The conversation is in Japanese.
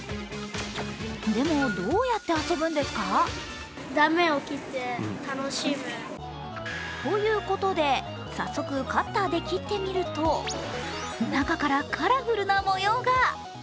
でも、どうやって遊ぶんですか。ということで、早速カッターで切ってみると、中からカラフルな模様が。